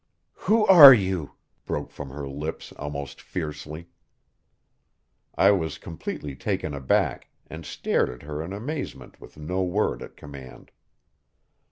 "Who are you?" broke from her lips almost fiercely. I was completely taken aback, and stared at her in amazement with no word at command.